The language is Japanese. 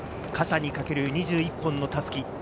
肩にかける２１本の襷。